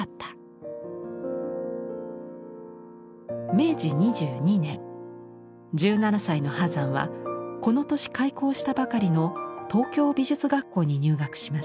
明治２２年１７歳の波山はこの年開校したばかりの東京美術学校に入学します。